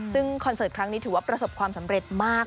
ซึ่งคอนเสิร์ตครั้งนี้ถือว่าประสบความสำเร็จมาก